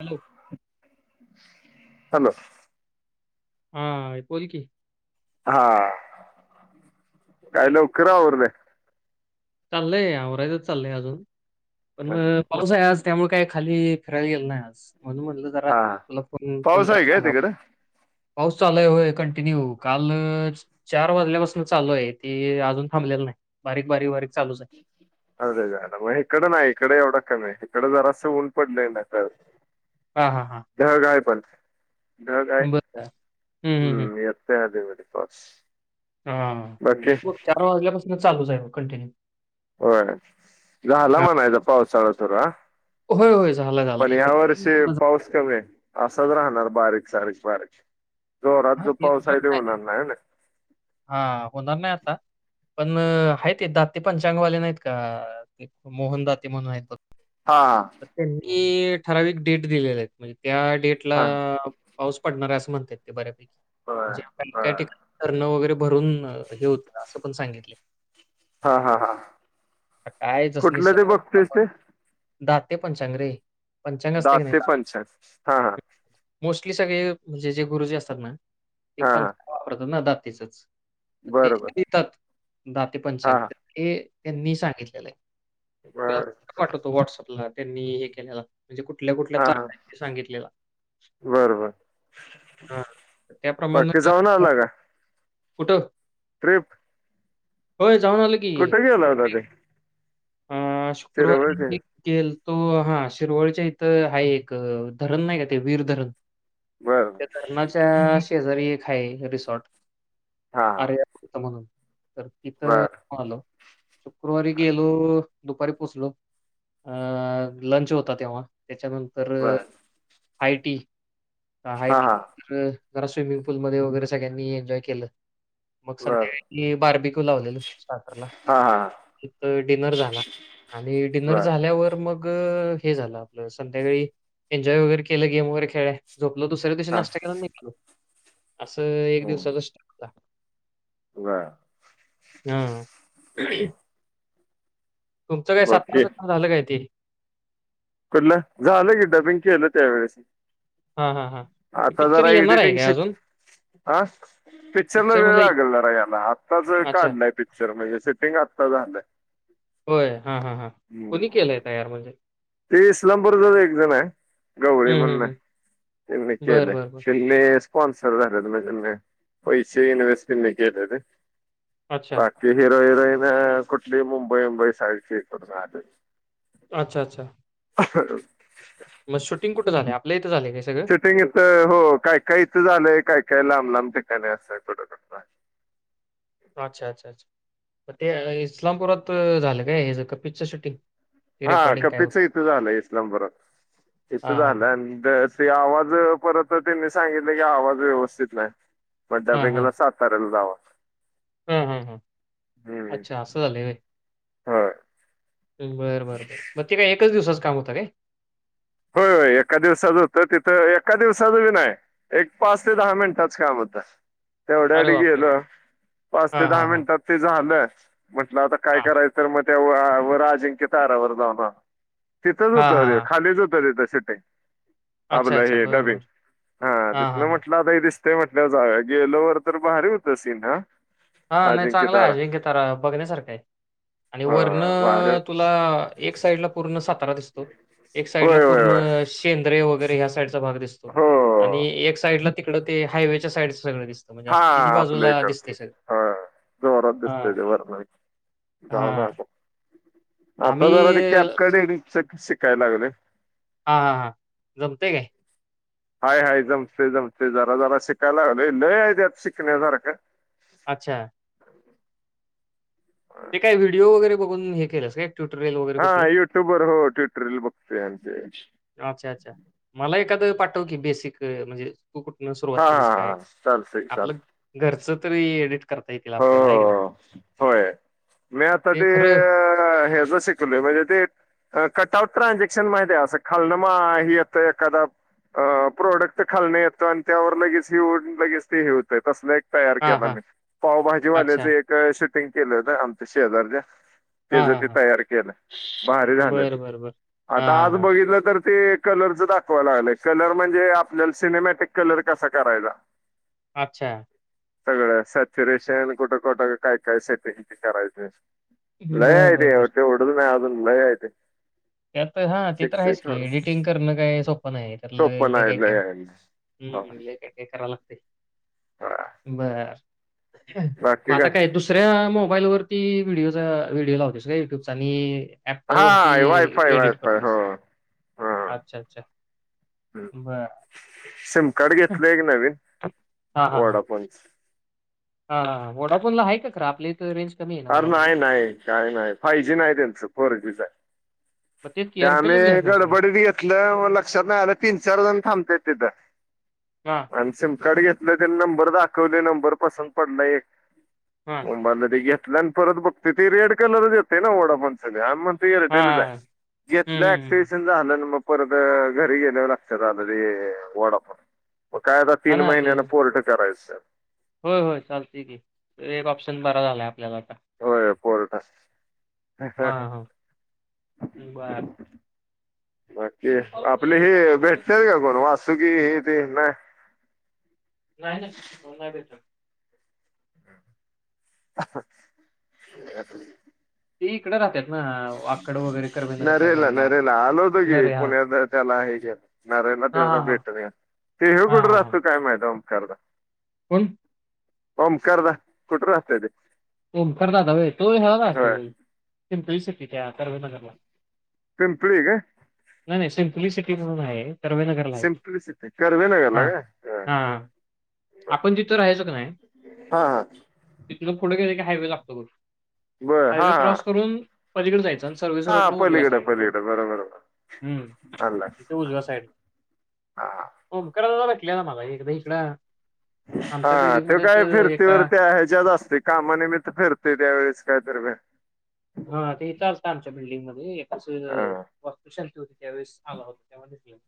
Hello! Hello! हा बोल‌की. हा काय लवकर आवरलंय. चाललय आवरायचच चाललंय अजून पण पाऊस आहे आज त्यामुळे काही खाली फिरायला गेल नाही आज. म्हणून म्हणलं जरा हा तुला फोन फोन पाऊस करा आहे काय सांगाव तिकडं? पाऊस चालू आहे होय कंटिन्यू काल चार वाजल्यापासून चालू आहे ते अजून थांबलेलं नाही. बारीक बारीक बारीक. चालूच आहे अरे [unintelligible] मग इकडं नाही इकडे एवढं कमी आहे. इकड जरास असं ऊन पडलंय नाही तर हा हा हा ढग आहे पण. ढग आहे बरं हम्म येतय अधी मधी पाऊस. हा बाकी चार वाजल्यापासून चालूच आहे म कंटिन्यू. होय झाला म्हणायचा पावसाळा सुरू हा. होय होय झाला झाला पण ह्या इकडे वर्षी पाऊस कमी आहे असाच राह णार बारीक सारीक बारीक जोरात जो ते पाऊस तर आहे तो होणार नाही ह ना. हा होणार नाही आता पण हाये ते दाते पंचांगवाले नाहीत का आ मोहन दाते म्हणून आहेत बघ. हा तर त्यांनी ठराविक डेट दिलेल्यात म्हणजे त्या डेटला हा हा पाऊस पडणार आहे असं म्हणता ते बऱ्यापैकी होय म्हणजे काही होय ठिकाणी धरण वगैरे भरून हे होतील असं पण सांगितले हा हा हा आता कुठलं ते बघतोयस ते? दात ते पंचांग रे. पंचांग असते दात की नाही ते दाते? पंचांग हा हा मोस्टली सगळे म्हणजे जे गुरुजी असतात ना ते हा हा पंचांग वापरतात ना दातेचच. ते बरोबर देतात दाते हा पंचांग हा ते त्यांनी सांगितलेलंय. तुला बर पाठवतो व्हॉट्सअपला त्यांनी हे केलेला म्हणजे कुठल्या कुठल्या तारखा आहेत ते सांगितलेला. बरं, बरं हां. तर त्याप्रमाणे बाकी जाऊन आला का.? कुठं? ट्रिप. होय जाऊन आलो की. कुठे गेला होता ते ह शिरवळ ते शुक्रवारी [unintelligible] तो हा शिरवळच्या इथं हाये एक धरण नाही का ते वीर धरण. बर त्या धरणाच्या शेजारी एक हाय रिसॉर्ट हा हा आर्या म्हणून तर तिथं बर जाऊन आलो. शुक्रवारी गेलो दुपारी पोचलो अ लंच होता तेव्हा. त्याच्यानंतर बर हाय टी हा हायटी हा नंतर जरा स्विमिंग पूलमध्ये वगैरे सगळ्यांनी एन्जॉय केलं. मगं बर संध्याकाळी बार्बेक्यू लावलेल स्टार्टरला. हा हा नंतर डिनर झाला आणि डिनर बर झाल्यावर मगं ग हे झालं आपलं संध्याकाळी एन्जॉय वगैरे केलं गेम वगैरे खेळले. झोपलो दुसऱ्या दिवशी हा नाश्ता करून निघलो असं एक हम्म. दिवसाच बर हा. तुमचं काय बाकी [unintelligible] झालं काय ते? कुठलं? झालं की डबिंग केलं त्यावेेळेस हां, हां, हां. ते आता पिक्चर जरा येणार आहे एडिटिंग काय शिक, अजून? आ पिक्चरला पिक्चर वेळ मधलं लागल जरा यायला. आत्ताच अच्छा. काढलय पिक्चर म्हणजे सेटिंग आत्ता झालंय होय हा हा हा कूणी हम्म. केलंय तयार म्हणजे? ते इस्लामपूर जवळ एकजण आहे गवळी हं, म्हणून हं, हं. आहे त्यांनी बरं, केलाय. बरं, बरं. त्यांनी स्पॉन्सर झाले म्हणजे, पैसे इन्व्हेस्ट त्यांनी केलेले अच्छा. बाकी हिरो हिरोईन कुठली मुंबई मुंबई साईडची करून आले अच्छा अच्छा. मग शूटिंग कुठे झालं आपल्या इथं? शूटिंग इथ हो काय काय इथं झालंय काय काय लांब लांब ठिकाणी अस [unintelligible] अच्छा अच्छा अच्छा ते अं इस्लामपुरात झालं काय हे सगळं पिक्चरच शूटिंग ते हा रेकॉर्डिंग काय कपीच होतं? इथं झालंय इस्लामपुरात इथं हां, हां, झालं हां. अन ते आवाज परत म त्यांनी सांगितलं की आवाज व्यवस्थित नाही मग डबिंगला साताऱ्याला जावा हम्म हम्म हम्म हम्म अच्छा असं झाले व्हय होय बरं बरं बरं मग ते काय एकच दिवसाच काम होतं काय? होय होय एका दिवसाच होतं तिथं एका दिवसाच बी नाय एक पाच ते दहा मिनिटाच काम होत अरे तेवढ्यासाठी बापरे! गेलो पाच ते हां, दहा हां, हां. मिनिटात ते झालंय म्हंटलं आता काय हां. करायचं मग त्या वर अजिंक्य तारावर जाऊन आलो. तिथंच हां, होतं हां, ते हां. खालीच होतं तिथ शूटिंग अच्छा, आपलं अच्छा. हे बरं, डबिंग बरं. हा हां, हां, तिथं हां. म्हटलं आता दिस ते म्हटल्यावर जावूया गेलो वर तर भारी होतं सीन हा हा नाही अजिंक्य चांगला आहे तारा अजिंक्य तारा बघण्यासारखं आहे. आणि हा वरन भारी तुला एक साइड ला पूर्ण सात [unintelligible] दिसतो एक साइड ला होय होय पूर्ण होय सेंद्रिय वगैरे ह्या चा भाग दिसतो, हो आणि एक साइड ला तिकडं ते हायवे च्या साईड च सगळं दिसत म्हणजे असं तिन्ही आपल्या बाजूला इकडचं दिसतंय सगळं हा जोरात दिसत हां. ते वरन हां. [unintelligible] आता आम्ही जरा ते कॅपकटिंग च शिकायला लागलोय हा हा हा जमतंय काय? हाय हाय जमते जमते जरा जरा शिकायला लागल लय हाय त्यात शिकण्यासारखं अच्छा. ते काय व्हिडिओ वगैरे बघून हे केलंस काय ट्युटोरियल वगैरे हा कुठलं? युट्यूबवर हो ट्युटोरियल बघतोय त्यांचे अच्छा अच्छा मला एखादं पाठव की बेसिक म्हणजे तू कुठनं सुरुवात हा हा केलीस काय हा चालतंय चालतंय. आपलं घरच तरी एडिट येईल हो आपल्याला आहे का नाही होय मी आता ते अह ह्याच शिकलोय म्हणजे ते कटआउट ट्रान्झॅक्शन माहिताय अस खालनं म हे येतय एखादा अह प्रोडक्ट खालन येत अन् त्यावर लगेच ये हून लगेच ते हे होतय तसल एक तयार हां, केला हां. मी पावभाजीवाल्याच अच्छा. एक शूटिंग केलं होत आमच्या शेजारच्या हां, त्याच हां, ते हां. तयार केलं भारी झालेले बरं, बरं, बरं. हां, आता हां, आज हां. बघितलं तर ते कलरच दाखवायला लागलंय. कलर म्हणजे आपल्याला सिनेमॅटिक कलर कसा करायचा अच्छा. सगळं सॅच्युरेशन कुठं कुठं काय काय सेटिंग ते करायचं लय बरं, आहे ते बरं, बरं. तेवढंच नाही अजून लय आहे ते त्यात हा ते तर शिक्ष आहेच की एडिटिंग करणं काय सोपं नाही, त्यात सोपं लय काय नाही काय? लय आहे हो हम्म लय काय काय करावं लागत हा. [inaudible] बर मग आता काय दुसऱ्या मोबाईलवर ती व्हिडिओ चा व्हिडिओ लावतोस होय युट्यूबचा आणि ॲपल हा वरती वायफाय एडिट वायफाय हो करतोयस हा [inaudible] अच्छा, अच्छा [inaudible] बर. सिम कार्ड घेतलय एक नवीन वोडाफोन चं. हा हा हा वोडाफोनला आहे का खर आपल्या इथ अर नाही नाही काय नाही फाय जी नाही दिसत फोर जी च हाय. मग तेच की त्याने घ्यायचं नाहीस मग? गडबडीत घेतलं म लक्षात नाही आलं तीन, चार जण थांबत्यात तिथं. हां, आणि सिमकड घेतलं त नंबर दाखवले नंबर पसंद पडला एक. हां. [unintelligible] घेतला आणि परत बघतोय ते रेड कलरच येतंय ना वोडाफोन संग. [unintelligible] हां, एअरटेलच हाय हां. हं, घेतलं हं, हं. ऍक्टिवेशन झालंन मग. परत घरी गेल्यावर लागतात आता ते वोडाफोन. मग काय अता हां तीन ना, ते महिन्यान पोर्ट करायचं. होय होय चालतय की हे एक ऑप्शन बरा झालाय आपल्याला. पोर्टस. हा हा [inaudible] बर. बाकी आपली हि आपल्या इथं? भेटते का कोण वासुकी हे ते नाय. [inaudible] नाही, नाही, नाही भेटत. [inaudible] आपण [unintelligible] ते इकड राहत्यात. [inaudible] नरेला, साईडला. नरेला आलो होत की नरे हां. पुण्यात त्याला [unintelligible] तेंना हां, तेवढं हां, हां. भेटून घ्या. ते ह्यो हां, कुठ हां, हां. राहतोय काय माहीत? ओंकार दा. कोण? ओंकार दा कुठ राहतय ते? ओंकार दादा होय तो ह्याला होय राहतोय पिंपरी सिटीत. [inaudible] पिंपळी का नाही, नाही सिम्पली सिटी म्हणून आहे. कर्वेनगरला हाय तो [inaudible] सिम्प्लिसिटी कर्वेनगरला हा हा काय हा हा. आपण जिथं राहायचो कनाही, हा हा हा तिथन पुढ गे एक हायवे लागतो बघ बर हा हायवे हा क्रॉस करून पलीकड जायचं. जनसरवीस हा रोडन ऊजव्या पलीकडं साईड ला. पलीकडं बरोबर [inaudible] हम्म आणला इथं उजव्या साईड ला. हा हा [inaudible] ओंकार दादा भेटलेला मला एकदा इकड हा त्यो काय एका फिरतीवरती हाय ह्याच्यात असतो काम [inaudible] मने मित्र फिरते त्यावेेळेस काय ठरवूया. हा ते चालत आमच्या बिल्डिंगमध्ये. अजून हा वास्तुशांती होती त्यावेळेस आलाव. तेव्हा झोपली होती.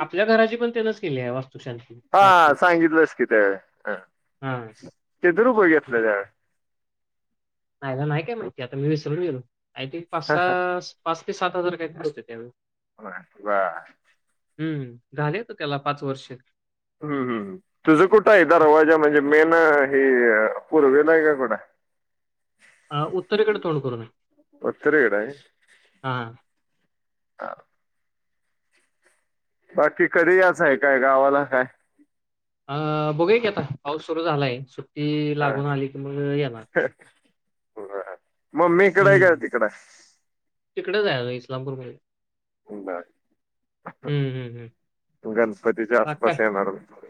आपल्या घराची पण त्यानच केली आहे वास्तु. हा सांगितलंस की त्यावेळेस हा [inaudible] किती रुपये घेतलं त्यान? आईला नाही काय माहिती आता मी विसरून गेलो काय ते पासहा, पाच सात हजार काही तरी होते त्यावेळे होय बर. हम्म झाले अता त्याला पाच वर्ष. हम्, हम्, हम्म तुझं कुठं आहे दरवाजा म्हणजे मेन, हे पूर्वेला आहे का कुठंय? अ, उत्तरेकडे तोंड करून आहे. [inaudible] उत्तर गेला हाईस. हा [inaudible] आ. बाकी कधी याचय काय गावाला काय? अ बघूया की आता पाऊस सुरू झालाय ती हा. लागून आली की मग मी येणार. [inaudible] मम्मी इकड आहे का? तिकडं हाय? तिकडेच आहे अजून इस्लामपूर कडे बर हम्म हम्म हम्म गणपतीच्या बाकी काय आसपास येणार होतो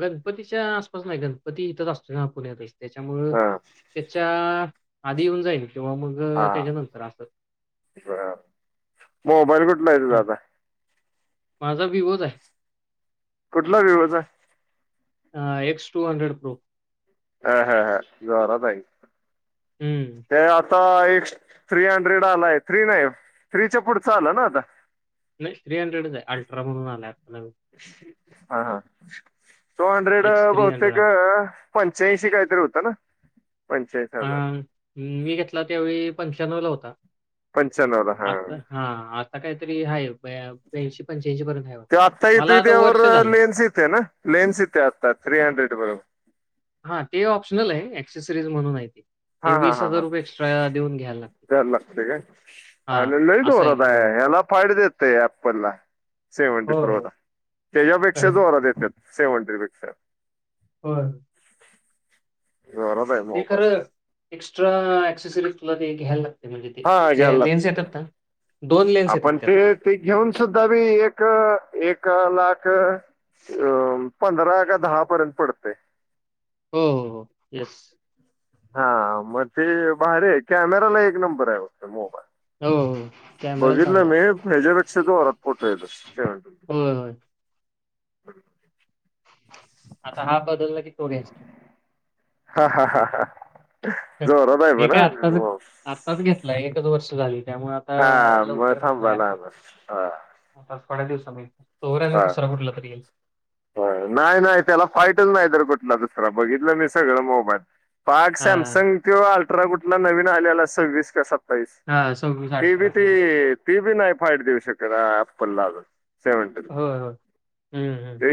गणपतीच्या आसपास नाही गणपती इथंच असतो ना आपल्या पुण्यात त्याच्यामुळ [inaudible] हा त्याच्या आधी येऊन जाईन तेव्हा मग हा त्याच्यानंतर असत बर मोबाईल कुठला आहेे तुझा आता माझा विवो चा आहे कुठला विवोचा ए एक्स टू हंड्रेड प्रो हा हा हा जोरात आहे हम्म ते आता एक थ्री हंड्रेड आलाय थ्री नाही थ्रीच्या पुढचं आलं ना आता नाही थ्री हंड्रेडच आहे अल्ट्रा म्हणून आलय हा हा तो हंड्रेड एक्स थ्री हंड्रेड बहुतेक पंच्याऐंशी काय ला होता ना पंच्याऐंशी हजार ह मी घेतला त्यावेळी पंच्यानऊ ला होता [inaudible] आता हा आता काहीतरी आहे ब्याऐशी पंच्यानो ते आत्ता येत त्यावर लेन्स येते ना लेन्स येते आत्ता थ्री हंड्रेड बरोबर हा ते ऑप्शनल आहे ऍक्सेसरीज म्हणून आहे ते हा हा वीस हा हजार हा रुपये एक्स्ट्रा देऊन घ लागते का आ लई असं जोरात हो आहे याला फाईल देेत एप्पल ला सेव्हनथ्री हो हो प्रोला त्याच्यापेक्षा करेक्ट जोरात येतात सेवन थ्रीपेक्षा हो जोरात आहे मोबाईल खरं एक्स्ट्रा एक्सेसरी तुला ते घ्यायला लागतंय हा घ्यायला लागतंय दोन लेन्स येतात आपण त्यात ते ते घेऊन सुद्धा मी एक एक एक लाख अ पंधरा का दहा पर्यंत पडते हो हो येस हा मग ते बार आहे कॅमेराला एक नंबर आहे बघत मोबाईल हो हो कॅमेरा बघितलं चांगला आहे मी याच्यापेक्षा जोरात फोटोेज येतात होय होय [unintelligible] [inaudible] आता हा बदलला कि तो घ्यायच जोरात आहे हे पण काय हा. आत्ताच हो. आत्ताच घेतलाय एकच वर्ष झाली त्यामुळे आता हा मग लवकर नाही थांबा आता लहान हा आता थोड्या दिवसा हा ह नाहीय नाय तेला फाईटच नाहीतर कुठली दुसर बघितलं मी सगळ मोबाईल पाक हा सॅमसंग अठरा कुठला नवीन आलेला सव्वीस का सत्तावीस हा सव्वीस ते बी अठरा ते हा ती बी नाही फाईट देऊ शकत एप्पलला सेव्हन हो ह हम्म हम्म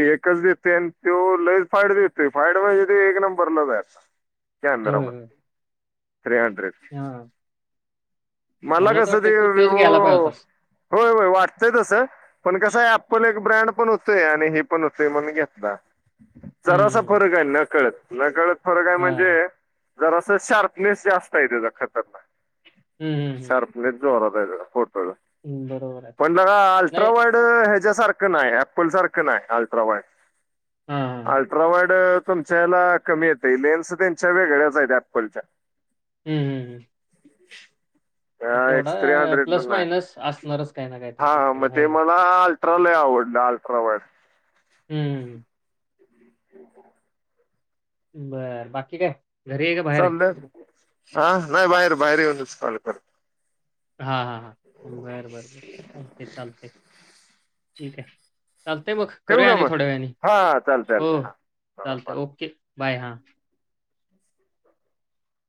त्यो लय च फाइट देतोय फाइट ला एक नंबर च आहे होय त्यानराव होय थ्री हंड्रेड हा मला तर कसं ते वाटतं तू तेच विवो घ्यायला पाहिजे होतास होय होय वाटतंय तसं पण कसं आहे एप्पल एक ब्रँड पण होतोय आणि हे पण होतय म्हण घेतला हम्म जरासा हम्म फरक आहे न कळत कळत फरक आहे हा म्हणजे जरा अस शार्पनेस जास्त आहे त्याचा खतरनाक हम्म हम्म हम् शार्पनेस जोरात आहे त्याचा फोटो आहे. पण नाही अल्ट्रा वाईट याच्यासारखा तसं नाही ॲपल सारखा नाही अल्ट्रावाईड हां, हां. अल्ट्रावाईड तुमच्याला कमी येते लेन्स त्यांच्या वेगळ्याच आहेत ऍपलच्या हम्म हम्म हम्म. [inaudible] एस थ्री अ, हंड्रेडला प्लस मायनस नाही असणारच काही ना काहीतरी हा मग प्रत्येकाला आहे ते की नाही? मला अल्ट्राला यावं. लाल [unintelligible] श्रवड हम्म. [unintelligible] बर बाकी काय? घरी आहे का बाहेर आहे? चालल हा नाही बाहेर बाहेर येऊनच कॉल कर. हा हा हा बर बर बर चालत चालत ठीक आहे. चालतय मग ठेवू करूया का आणि मग थोड्या वेळानी हा चालतंय हो चालतंय हा बरोबर चालतय ओके. बाय हा.